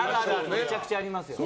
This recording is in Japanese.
めちゃくちゃありますよ。